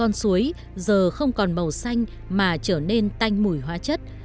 con suối giờ không còn màu xanh mà trở nên tanh mùi hóa chất